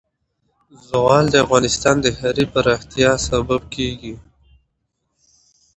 زغال د افغانستان د ښاري پراختیا سبب کېږي.